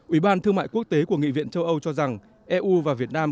ủy ban thương mại quốc tế của nghị viện châu âu cho rằng eu và việt nam